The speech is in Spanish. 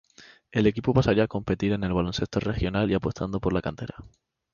El equipo pasaría a competir en el baloncesto regional y apostando por la cantera.